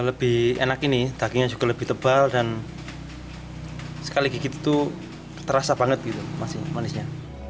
lebih enak ini dagingnya juga lebih tebal dan sekali gigit itu terasa banget gitu masih manisnya